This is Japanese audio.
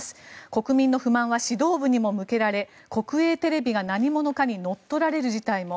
国民の不満は指導部にも向けられ国営テレビが何者かに乗っ取られる事態も。